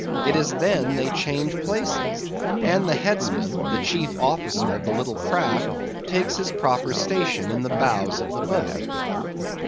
It is then they change places; and the headsman, the chief officer of the little craft, takes his proper station in the bows of the boat.